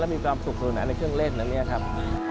แล้วมีความสุขส่วนอันในเครื่องเล่นแล้วนี่ครับ